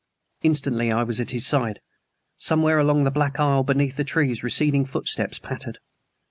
Instantly I was at his side. Somewhere along the black aisle beneath the trees receding footsteps pattered.